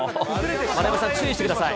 丸山さん、注意してください。